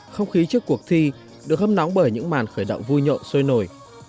không khí trước cuộc thi được hâm nóng bởi những màn khởi động vui nhộn sôi nổi